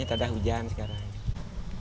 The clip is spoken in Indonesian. ketika nengah balik pemerintah menanggung pemerintah